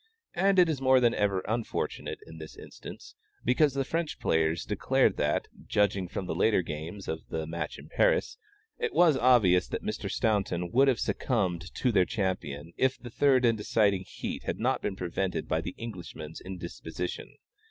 And it is more than ever unfortunate in this instance, because the French players declared that, judging from the later games of the match in Paris, it was obvious that Mr. Staunton would have succumbed to their champion if the third and deciding heat had not been prevented by the Englishman's indisposition.